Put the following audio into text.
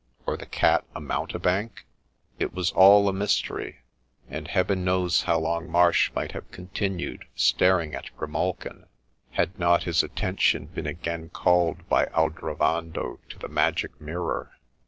or the cat a mountebank ?— it was all a mystery ;— and Heaven knows how long Marsh might have continued staring at Grimalkin, had not his attention been again called by Aldrovando to the magic mirror.